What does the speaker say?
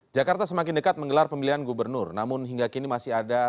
jakarta semakin dekat menggelar pemilihan gubernur namun hingga kini masih ada